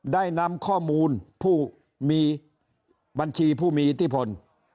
ได้นำข้อมูลผู้มีบัญชีผู้มีอิทธิพล